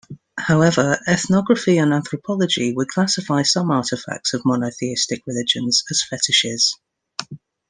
However, ethnography and anthropology would classify some artifacts of monotheistic religions as fetishes.